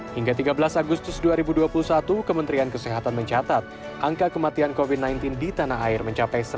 hingga tiga belas agustus dua ribu dua puluh satu kementerian kesehatan mencatat angka kematian covid sembilan belas di tanah air mencapai satu ratus tiga belas enam ratus enam puluh empat jiwa